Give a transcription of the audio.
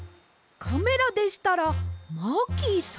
カメラでしたらマーキーさん？